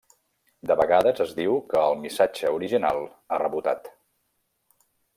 De vegades es diu que el missatge original ha rebotat.